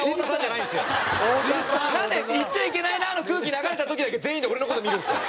なんで言っちゃいけないなの空気流れた時だけ全員で俺の事見るんですか？